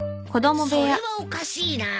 それはおかしいなぁ。